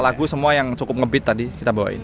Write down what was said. lima lagu semua yang cukup ngebeat tadi kita bawain